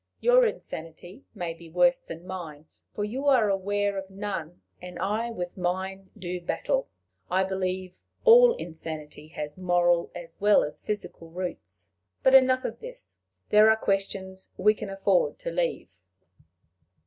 Your insanity may be worse than mine, for you are aware of none, and I with mine do battle. I believe all insanity has moral as well as physical roots. But enough of this. There are questions we can afford to leave.